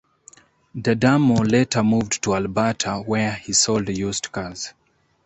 Dadamo later moved to Alberta, where he sold used cars.